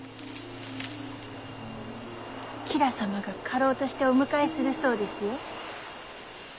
吉良様が家老としてお迎えするそうですよ。